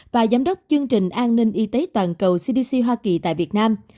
và giám đốc chương trình an ninh y tế toàn cầu cdc hoa kỳ tại việt nam